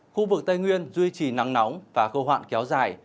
khu vực tây nguyên duy trì nắng nóng và khâu hoạn kéo dài